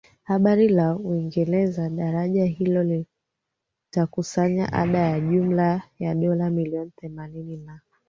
habari la Uingereza daraja hilo litakusanya ada ya jumla ya dola milioni themanini na